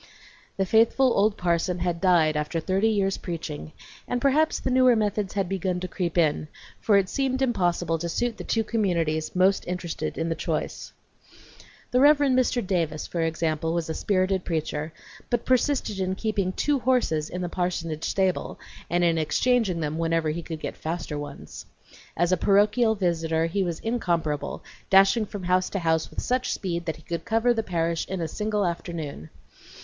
The faithful old parson had died after thirty years' preaching, and perhaps the newer methods had begun to creep in, for it seemed impossible to suit the two communities most interested in the choice. The Rev. Mr. Davis, for example, was a spirited preacher, but persisted in keeping two horses in the parsonage stable, and in exchanging them whenever he could get faster ones. As a parochial visitor he was incomparable, dashing from house to house with such speed that he could cover the parish in a single afternoon.